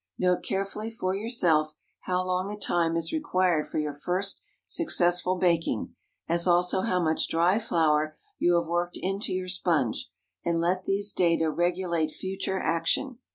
Note carefully for yourself how long a time is required for your first successful baking, as also how much dry flour you have worked into your sponge, and let these data regulate future action.